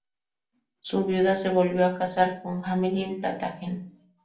Su viuda se volvió a casar con Hamelin Plantagenet.